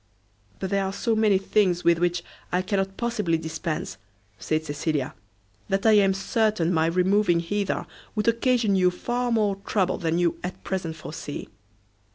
"But there are so many things with which I cannot possibly dispense," said Cecilia, "that I am certain my removing hither would occasion you far more trouble than you at present foresee."